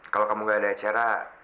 kalau kamu gak ada acara